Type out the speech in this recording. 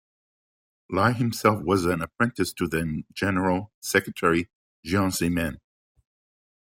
Lai himself was an apprentice to then General secretary Jiang Zemin.